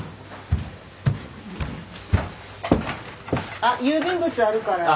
あっ郵便物あるからね。